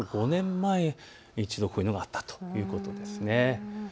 ５年前、一度こういうのがあったということです。